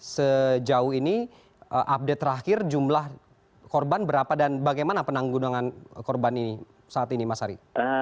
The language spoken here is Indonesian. sejauh ini update terakhir jumlah korban berapa dan bagaimana penanggulangan korban ini saat ini mas ari